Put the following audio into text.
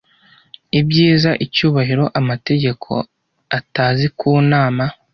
ibyiza icyubahiro amategeko atazi kunama